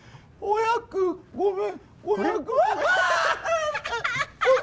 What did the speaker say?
「お役ごめん」